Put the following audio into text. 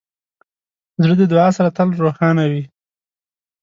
زړه د دعا سره تل روښانه وي.